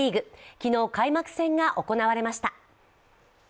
昨日、開幕戦が行われました。